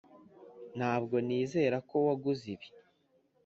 ntabwo nizera ko waguze ibi.